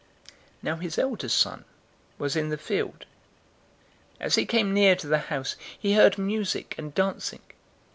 015:025 "Now his elder son was in the field. As he came near to the house, he heard music and dancing.